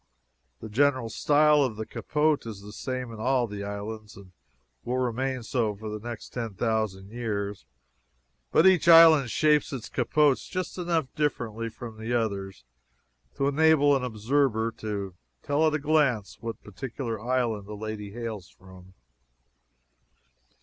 The general style of the capote is the same in all the islands, and will remain so for the next ten thousand years, but each island shapes its capotes just enough differently from the others to enable an observer to tell at a glance what particular island a lady hails from.